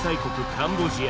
カンボジア！